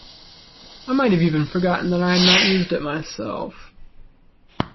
I might even have forgotten that I had not used it myself.